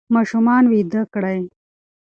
ماشومان ویده کړئ.